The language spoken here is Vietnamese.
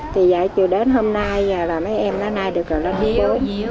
thì dạy chưa đến hôm nay là mấy em lái này được rồi lên hôm cuối